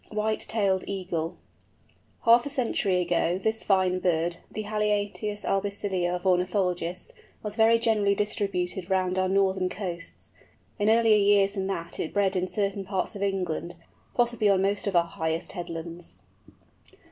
WHITE TAILED EAGLE. Half a century ago this fine bird, the Haliaetus albicilla of ornithologists, was very generally distributed round our northern coasts; in earlier years than that it bred in certain parts of England, possibly on most of our highest headlands.